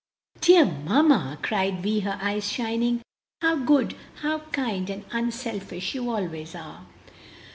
"Dear mamma!" cried Vi, her eyes shining, "how good, how kind, and unselfish you always are!"